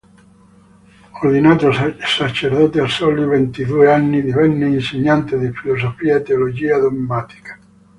Ordinato sacerdote, a soli ventidue anni divenne insegnante di filosofia e teologia dogmatica.